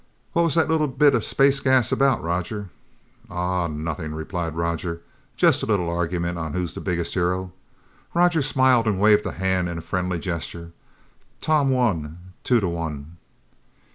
"What was that little bit of space gas about, Roger?" "Ah nothing," replied Roger. "Just a little argument on who was the biggest hero." Roger smiled and waved a hand in a friendly gesture. "Tom won, two to one!"